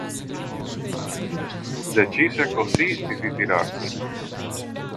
Decise così di ritirarsi.